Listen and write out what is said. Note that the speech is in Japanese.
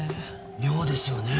妙ですよねえ。